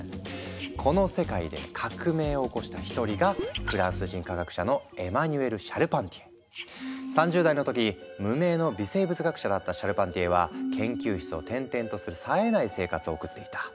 この世界で革命を起こした一人が３０代の時無名の微生物学者だったシャルパンティエは研究室を転々とするさえない生活を送っていた。